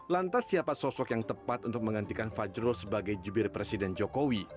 lantas siapa sosok yang tepat untuk menggantikan fajrul sebagai jubir presiden jokowi